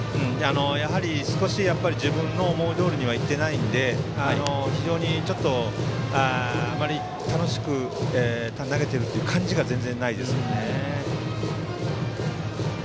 やはり少し自分の思いどおりにはいっていないのであまり楽しく投げているという感じが全然ないですね。